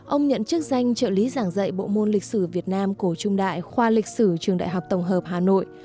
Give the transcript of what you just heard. ông nhận chức danh trợ lý giảng dạy bộ môn lịch sử việt nam cổ trung đại khoa lịch sử trường đại học tổng hợp hà nội